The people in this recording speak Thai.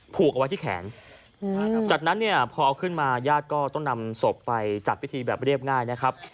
ผูกเอาไว้ที่แขนจากนั้นเนี่ยพอเอาขึ้นมาญาติก็ต้องนำศพไปจัดพิธีแบบเรียบง่ายนะครับ